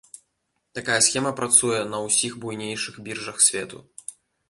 Такая схема працуе на усіх буйнейшых біржах свету.